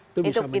itu bisa dilakukan